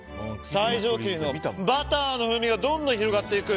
最上級のバターの風味がどんどん広がっていく。